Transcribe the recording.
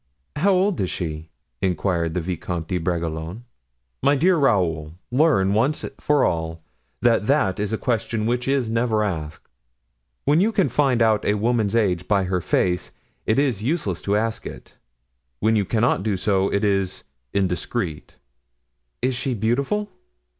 "How old is she?" inquired the Vicomte de Bragelonne. "My dear Raoul, learn, once for all, that that is a question which is never asked. When you can find out a woman's age by her face, it is useless to ask it; when you cannot do so, it is indiscreet." "Is she beautiful?"